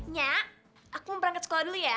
nya aku mau berangkat sekolah dulu ya